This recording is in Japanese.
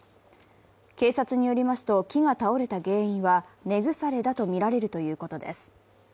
警察によりますと木が倒れた原因は、根腐れだとみられるということです。